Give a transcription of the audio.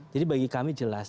jadi bagi kami jelas